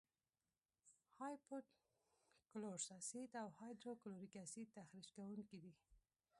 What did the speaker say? هایپو کلورس اسید او هایدروکلوریک اسید تخریش کوونکي دي.